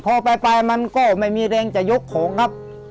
พอไปมันก็ไม่มีแรงจะยกของครับ